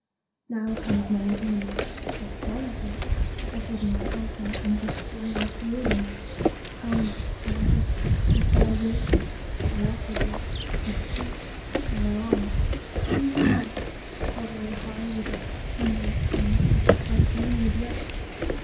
Now comes mine enemy, not silently, But with insulting and defiant warning; Come, banquet, if thou wilt; I offer thee My cheek, my arm. Tease me not, hovering high With that continuous hum; I fain would rest.